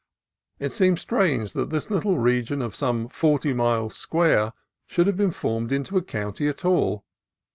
It seems strange that this little region of some forty miles square should have been formed into a county at all.